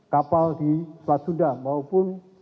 kapal di selat sunda maupun